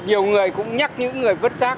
nhiều người cũng nhắc những người vứt rác